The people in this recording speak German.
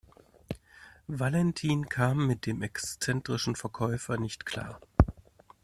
Valentin kam mit dem exzentrischen Verkäufer nicht klar.